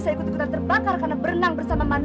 saya ingin menjaga kandunganmu